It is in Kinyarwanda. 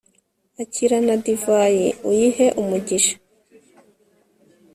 akira na divayi, uyihe umugisha